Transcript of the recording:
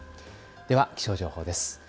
では気象情報です。